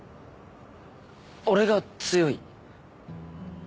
俺が強い？